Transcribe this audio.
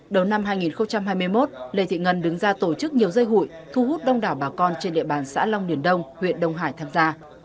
đầu năm hai nghìn hai mươi một lê thị ngân đứng ra tổ chức nhiều dây hụi thu hút đông đảo bà con trên địa bàn xã long niền đông huyện đông hải tham gia